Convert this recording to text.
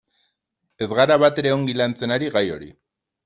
Ez gara batere ongi lantzen ari gai hori.